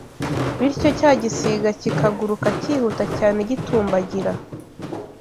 bityo cya gisiga kikaguruka cyihuta cyane gitumbagira